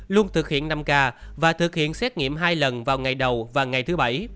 luôn thực hiện năm k và thực hiện xét nghiệm hai lần vào ngày đầu và ngày thứ bảy